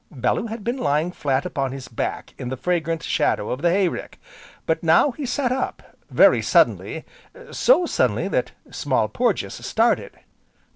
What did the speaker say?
Bellew had been lying flat upon his back in the fragrant shadow of the hay rick, but now he sat up very suddenly, so suddenly that Small Porges started.